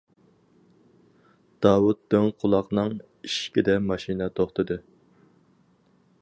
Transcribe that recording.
داۋۇت دىڭ قۇلاقنىڭ ئىشىكىدە ماشىنا توختىدى.